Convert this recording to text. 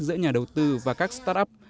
giữa nhà đầu tư và các startup